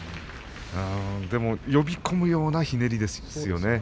でも呼び込むようなひねりですよね。